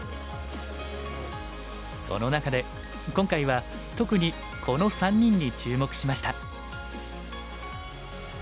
その中で今回は特にこの３人に注目しました。